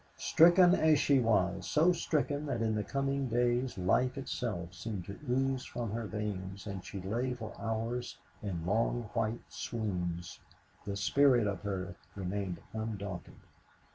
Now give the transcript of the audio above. Stricken as she was so stricken that in the coming days life itself seemed to ooze from her veins and she lay for hours in long white swoons, the spirit of her remained undaunted.